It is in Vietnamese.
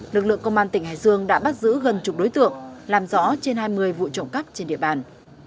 lực lượng công an tỉnh hải dương đã bắt giữ gần chục đối tượng làm rõ trên hai mươi vụ trộm cắp trên địa bàn